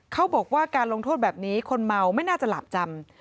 เขาบอกว่าการลงโทษแบบนี้คนเมาไม่น่าจะหลาบจำ